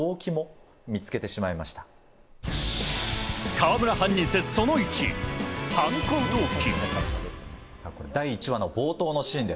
河村犯人説その１、犯行動機。